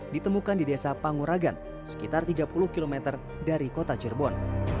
ditemukan di desa panguragan sekitar tiga puluh km dari kota cirebon